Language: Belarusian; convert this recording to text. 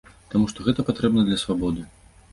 Таму што гэта патрэбна для свабоды.